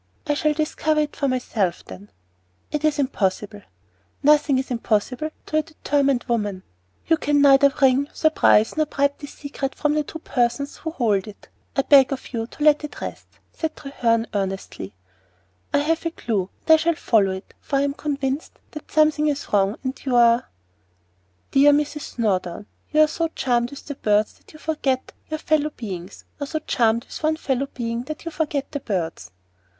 "I shall discover it for myself, then." "It is impossible." "Nothing is impossible to a determined woman." "You can neither wring, surprise, nor bribe this secret from the two persons who hold it. I beg of you to let it rest," said Treherne earnestly. "I have a clue, and I shall follow it; for I am convinced that something is wrong, and you are " "Dear Mrs. Snowdon, are you so charmed with the birds that you forget your fellow beings, or so charmed with one fellow being that you forget the birds?"